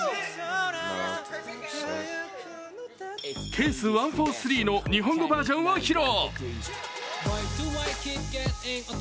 「ＣＡＳＥ１４３」の日本語バージョンを披露。